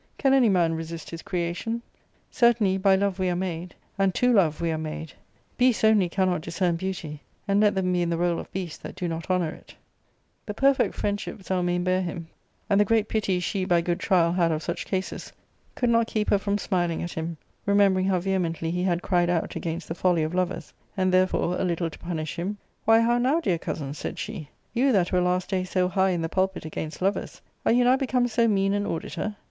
Can any man resist his creation ? Certainly by love we are made, and to love we are made. Beasts only cannqt discern beauty; and let them be in the roll of beasts that do jjot honour it," The perfect friendship Zelmane bare hiin, ^" f ARCADIA.' Book T,^ $3 knd the great pity she, by good trial, had of such cases, could not keep her from smiling at him, remembering how vehemently he had cried out against the folly of lovers ; and therefore, a little to punish him, "Why, how now, dear cousin,'^ said she, " you that were last day so high in the pulpit against lovers, are you now become so mean aii auditor?